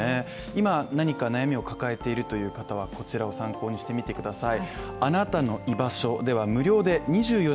今何か悩みを抱えているという方はこちらを参考にしてみてください。